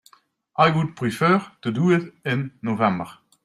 I would prefer to do it in November.